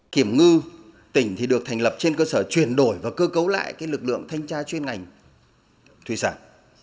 kiểm ngư tỉnh được thành lập trên cơ sở chuyển đổi và cơ cấu lại lực lượng thanh tra chuyên ngành thủy sản